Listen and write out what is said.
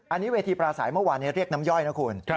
อันนี้เวทีปราศัยเมื่อวานเรียกน้ำย่อยนะคุณ